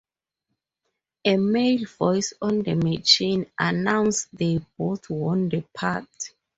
A male voice on the machine announces they both won the part.